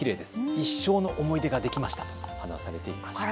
一生の思い出ができましたと話されていました。